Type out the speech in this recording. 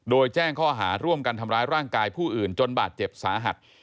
โดยแจ้งข้อหาร่วมกันทำร้ายร่างกายผู้อื่นจนบาดเจ็บสาหัส